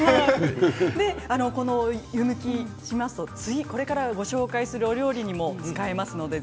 湯むきをすると次にご紹介するお料理にも使えます。